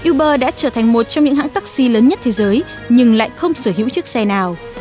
uber đã trở thành một trong những hãng taxi lớn nhất thế giới nhưng lại không sở hữu chiếc xe nào